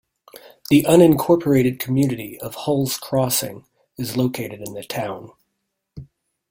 The unincorporated community of Hulls Crossing is located in the town.